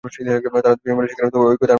তারা দুজনে মিলে সেখানে ঐকতান-বাদকদল গঠন করেন।